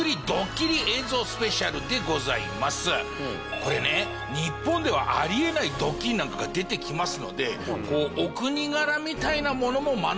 これね日本ではあり得ないドッキリなんかが出てきますのでお国柄みたいなものも学べるんじゃないかなと。